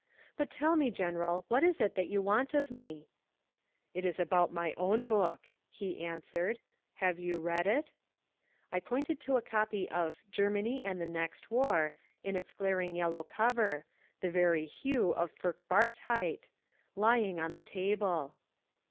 "But tell me, General, what is it that you want of me?" "It is about my own book," he answered. "You have read it?" I pointed to a copy of Germany and the Next War, in its glaring yellow cover the very hue of Furchtbarkeit lying on the table.